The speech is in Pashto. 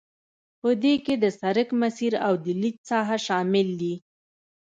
په دې کې د سرک مسیر او د لید ساحه شامل دي